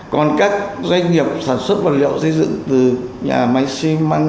còn các doanh nghiệp sản xuất vật liệu xây dựng từ nhà máy xi măng